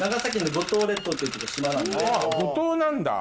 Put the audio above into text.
五島なんだ？